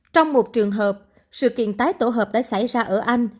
trong một trường hợp sự kiện tái tổ hợp đã xảy ra ở anh